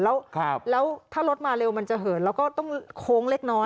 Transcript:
แล้วถ้ารถมาเร็วมันจะเหินแล้วก็ต้องโค้งเล็กน้อย